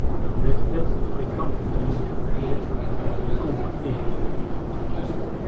L'espèce fréquente des milieux divers, y compris les villes.